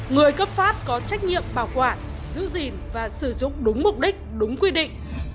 người cấp phát có trách nhiệm bảo quản giữ gìn và sử dụng đúng mục đích đúng quy định